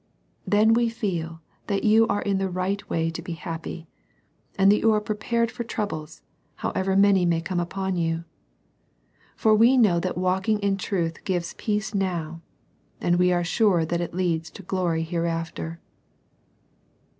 Then we feel that you are in the right way to be happy; and that jou are prepared for troubles, however many CHILDREN WALKING IN TRUTH. 41 may come upon you. For we know that walk ing in truth gives peace now, and we are sure that it leads to glory heteafter.